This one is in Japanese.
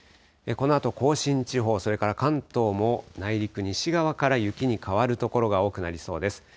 このあと甲信地方、それから関東も内陸西側から雪に変わる所が多くなりそうです。